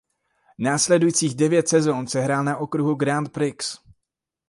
Následujících devět sezón se hrál na okruhu Grand Prix.